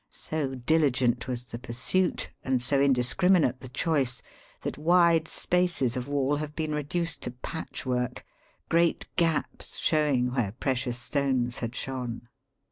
So diligent was the pursuit, and so indiscriminate the choice, that wide spaces of wall have been reduced to patch work, great gaps showing where precious stones had shone.